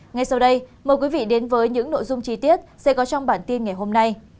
ngay sau đây mời quý vị đến với những nội dung chi tiết sẽ có trong bản tin ngày hôm nay